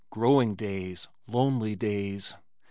Growing days! Lonely days!